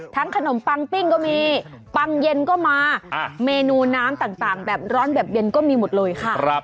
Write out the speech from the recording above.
ขนมปังปิ้งก็มีปังเย็นก็มาเมนูน้ำต่างแบบร้อนแบบเย็นก็มีหมดเลยค่ะ